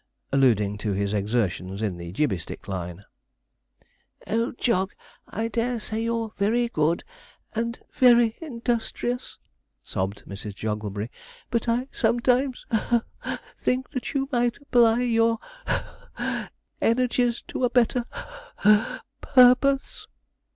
alluding to his exertions in the gibbey stick line. 'Oh, Jog, I dare say you're very good and very industrious,' sobbed Mrs. Jogglebury, 'but I sometimes (sob) think that you might apply your (sob) energies to a better (sob) purpose.'